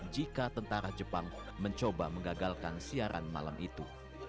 jika tentara jepang mencoba mengagalkan siaran malam itu